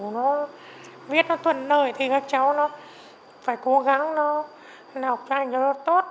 nó viết nó tuần nơi thì các cháu phải cố gắng nó học cho anh cho nó tốt